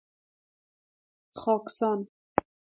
خاکسان